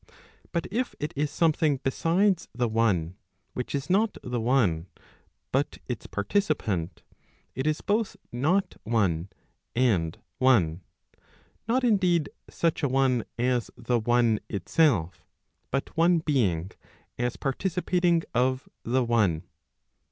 But if it is something besides the one y which is not the one , but its participant, it is both not one, and one, not indeed such a one as the one itself, but one being , as participating of the one.